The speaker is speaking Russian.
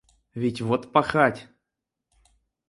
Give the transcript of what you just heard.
Ведь вот пахать.